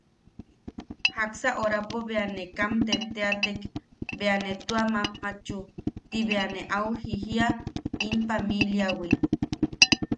Jaksa orapo bea ne kam tetteatek bea ne tua mammatchu, ti bea ne au jijia in pamiliawi.